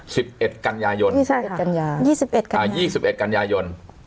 สิบเอ็ดกัญญายนต์ใช่ค่ะยี่สิบเอ็ดกัญญาอ่ายี่สิบเอ็ดกัญญายนต์